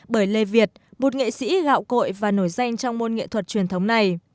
bởi lê việt một nghệ sĩ gạo cội và nổi danh trong môn nghệ thuật truyền thống này